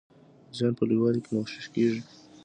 ذهن په لویوالي کي مغشوش کیږي.